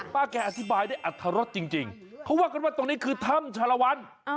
ป้าแกอธิบายได้อัตรรสจริงเขาว่ากันว่าตรงนี้คือถ้ำชาลวัน